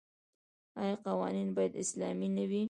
آیا قوانین باید اسلامي نه وي؟